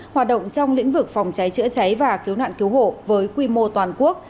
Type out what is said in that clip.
hoạt động trong lĩnh vực phòng cháy chữa cháy và cứu nạn cứu hộ với quy mô toàn quốc